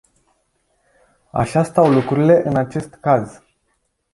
Așa stau lucrurile în acest caz.